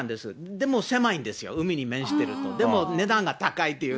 でも狭いんですよ、海に面してると、でも、値段が高いという。